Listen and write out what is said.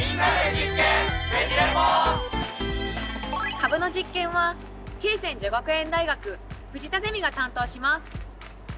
カブの実験は恵泉女学園大学藤田ゼミが担当します。